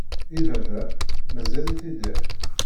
I baba? Mazal-it idder?